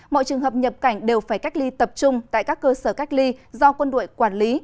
mọi trường hợp nhập cảnh đều phải cách ly tập trung tại các cơ sở cách ly do quân đội quản lý